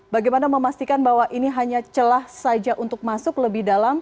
bagaimana memastikan bahwa ini hanya celah saja untuk masuk lebih dalam